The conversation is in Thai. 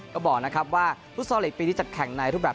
ก็บอกนะครับว่าฟุตซอลลีกปีนี้จะแข่งในรูปแบบ